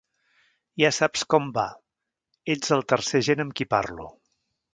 Ja saps com va, ets el tercer agent amb qui parlo.